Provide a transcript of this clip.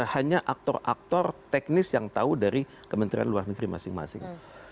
hanya aktor aktor teknis yang tahu dari kementerian luar negeri masing masing